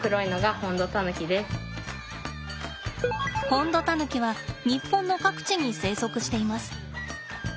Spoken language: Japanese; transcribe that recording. ホンドタヌキは日本の各地に生息しています。